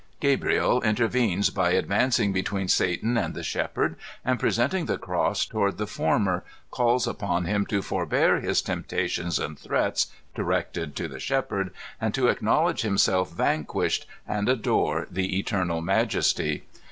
Gabriel intervenes by advancing between Satan and the shepherd, and, presenting the cross toward the former, calls upon him to forbear his temptations and threats directed to the shepherd, and to admowledge himself vanquished and adore the Eternal Majesty.